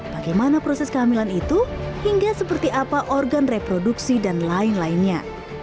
bagaimana proses kehamilan itu hingga seperti apa organ reproduksi dan lain lainnya